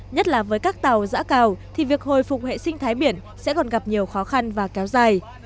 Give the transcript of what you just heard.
nhất là với các tàu giã cào thì việc hồi phục hệ sinh thái biển sẽ còn gặp nhiều khó khăn và kéo dài